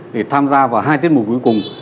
để tham gia vào hai tiết mục cuối cùng